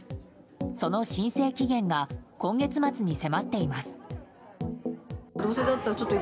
その申請期限が今月末に迫っています。